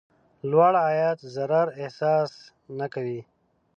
لوړ عاید ضرر احساس نه کوي.